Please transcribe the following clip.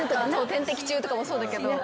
点滴中とかもそうだけど。